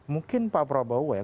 mungkin pak prabowo ya